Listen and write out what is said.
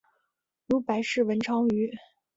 如白氏文昌鱼。